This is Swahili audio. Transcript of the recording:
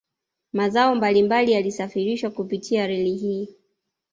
Mazao mbali mbali yalisafirishwa kupitia reli hii